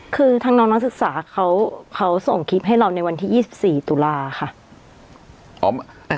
คือทางน้องนักศึกษาเขาส่งคลิปให้เราในวันที่๒๔ตุลาค่ะ